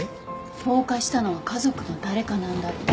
放火したのは家族の誰かなんだって。